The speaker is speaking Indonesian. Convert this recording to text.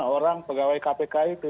orang pegawai kpk itu